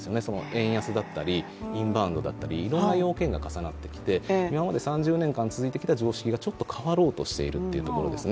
円安だったりインバウンドだったりいろんな要件が重なってきて今まで３０年間続いてきた常識がちょっと変わろうとしているということです。